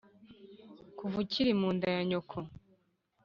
Kuva ukiri mu nda ya nyoko